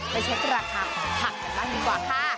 เช็คราคาของผักกันบ้างดีกว่าค่ะ